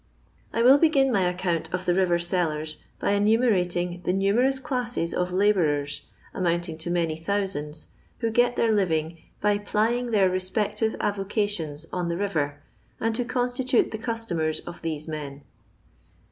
I will begin my account of the river sellers by enumerating the numerous classes of labourers, amounting to many thousands, who get their living by plying their respective avocations on the river, and who .constitute the customers of these men.